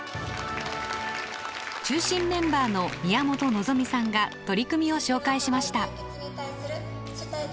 中心メンバーの宮本望美さんが取り組みを紹介しました。